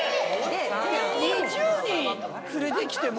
２０人連れてきても。